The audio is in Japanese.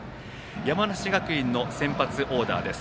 山梨学院の先発オーダーです。